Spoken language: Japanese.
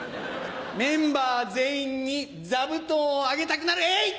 メンバー全員に座布団をあげたくなるえい！